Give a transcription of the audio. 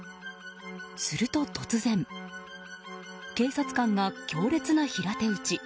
すると突然警察官が強烈な平手打ち。